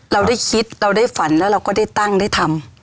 เราได้คิดเราได้ฝันแล้วเราก็ได้ตั้งได้ทำ